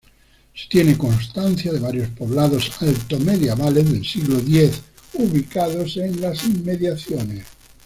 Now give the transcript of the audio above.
Se tiene constancia de varios poblados altomedievales del siglo X ubicados en las inmediaciones.